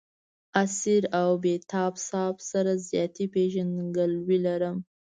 اسیر او بېتاب صاحب سره ذاتي پېژندګلوي لرم.